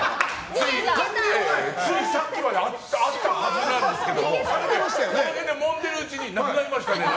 ついさっきまであったはずなんですけどもんでいるうちになくなりましたね。